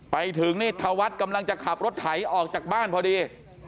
ไปถึงนี่ธวัฒน์กำลังจะขับรถไถออกจากบ้านพอดี